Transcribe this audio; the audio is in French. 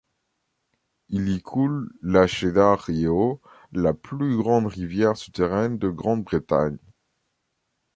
Il y coule la Cheddar Yeo, la plus grande rivière souterraine de Grande-Bretagne.